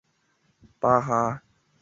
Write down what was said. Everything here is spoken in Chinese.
发现只剩下六分钟